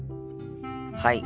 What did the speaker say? はい。